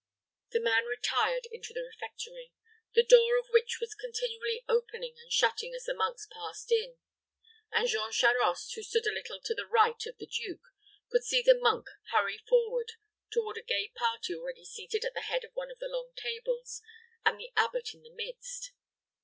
The man retired into the refectory, the door of which was continually opening and shutting as the monks passed in; and Jean Charost, who stood a little to the right of the duke, could see the monk hurry forward toward a gay party already seated at the head of one of the long tables, with the abbot in the midst.